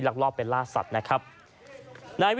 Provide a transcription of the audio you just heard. รักรอบเป็นล่าสัตว์